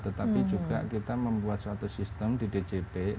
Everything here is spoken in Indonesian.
tetapi juga kita membuat suatu sistem di djp